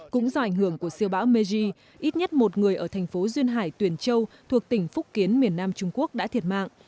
cũng do ảnh hưởng của siêu bão meji ít nhất một người ở thành phố duyên hải tuyền châu thuộc tỉnh phúc kiến miền nam trung quốc đã thiệt mạng